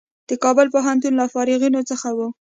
د کابل پوهنتون له فارغینو څخه و.